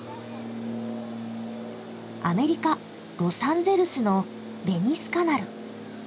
アメリカ・ロサンゼルスのベニスカナル。